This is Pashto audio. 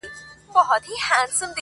څو؛ د ژوند په دې زوال کي کړې بدل